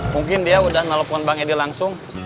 mungkin dia udah nelfon bang edi langsung